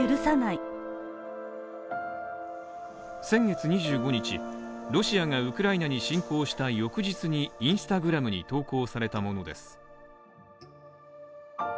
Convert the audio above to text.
先月２５日、ロシアがウクライナに侵攻した翌日にＩｎｓｔａｇｒａｍに投稿されたものです。